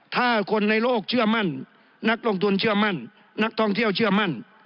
ถ้าคนในโลกเชื่อมั่นนักลงทุนเชื่อมั่นนักท่องเที่ยวเชื่อมั่น